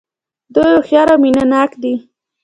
دوی هوښیار او مینه ناک دي.